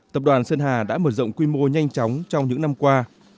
tập đoàn sơn hà đã mở rộng quy mô nhanh chóng trong những năm qua